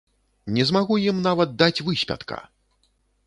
Не змагу ім нават даць выспятка!